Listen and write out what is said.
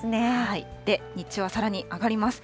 日中はさらに上がります。